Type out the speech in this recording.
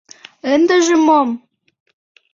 Ындыжым мом?